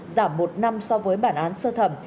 giảm một năm so với bản án sơ thẩm